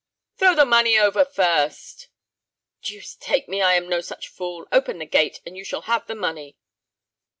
"Throw the money over first." "Deuce take me, I am no such fool. Open the gate, and you shall have the money."